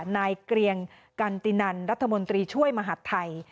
นายเกรียงกันตินันรัฐมนตรีช่วยมหาดไทย